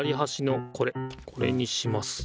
これにします。